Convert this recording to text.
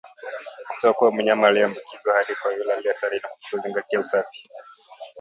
kutoka kwa mnyama aliyeambukizwa hadi kwa yule aliye hatarini kwa kutozingatia usafi